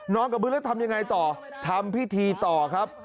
กับพื้นแล้วทำยังไงต่อทำพิธีต่อครับ